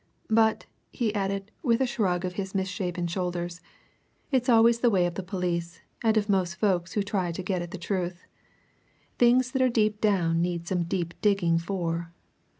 But," he added, with a shrug of his misshapen shoulders, "it's always the way of the police, and of most folk who try to get at the truth. Things that are deep down need some deep digging for!"